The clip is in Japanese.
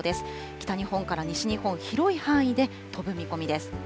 北日本から西日本、広い範囲で飛ぶ見込みです。